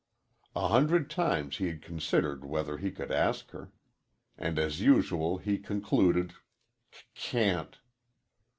A hundred times he had considered whether he could ask her, and as usual he concluded, "Ca can't."